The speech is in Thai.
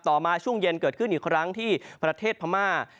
มาช่วงเย็นเกิดขึ้นอีกครั้งที่ประเทศพม่า